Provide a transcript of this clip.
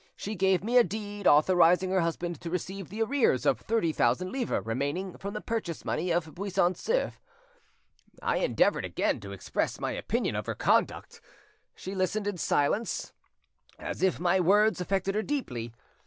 She gave me a deed, authorising her husband to receive the arrears of thirty thousand livres remaining from the purchase money of Buisson Souef. I endeavoured again to express my opinion of her conduct; she listened in silence, as if my words affected her deeply.